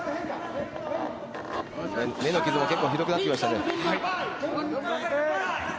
目の傷も結構ひどくなってきましたね。